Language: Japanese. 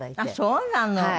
あっそうなの。